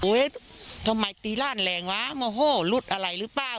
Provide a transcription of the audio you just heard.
เฮ้ยทำไมตีร่านแรงหวะมอโหลุดอะไรรึเปล่า